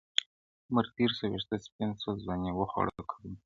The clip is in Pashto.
• عمر تېر سو وېښته سپین سول ځواني وخوړه کلونو -